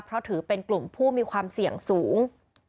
เพราะถือเป็นกลุ่มผู้มีความเสี่ยงสูง